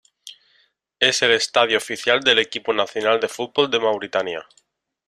Es el estadio oficial del equipo nacional de fútbol de Mauritania.